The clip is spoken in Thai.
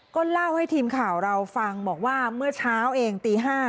ก็เล่าให้ทีมข่าวเราฟังบอกว่าเมื่อเช้าเองตี๕